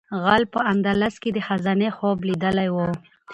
غل په اندلس کې د خزانې خوب لیدلی و.